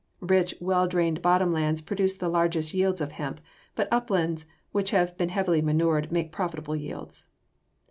Rich, well drained bottom lands produce the largest yields of hemp, but uplands which have been heavily manured make profitable yields.